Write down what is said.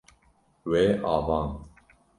Wê avand.